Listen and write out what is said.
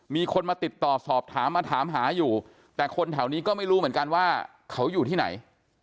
มีคนมาติดต่อสอบถามมาถามหาอยู่แต่คนแถวนี้ก็ไม่รู้เหมือนกันว่าเขาอยู่ที่ไหน